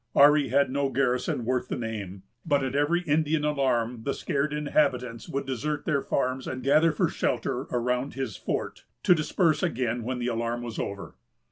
Ourry had no garrison worth the name; but at every Indian alarm the scared inhabitants would desert their farms, and gather for shelter around his fort, to disperse again when the alarm was over.